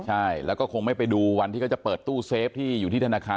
ใช่แล้วก็คงไม่ไปดูวันที่เขาจะเปิดตู้เซฟที่อยู่ที่ธนาคาร